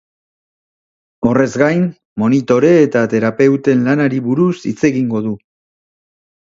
Horrez gain, monitore eta terapeuten lanari buruz hitz egingo du.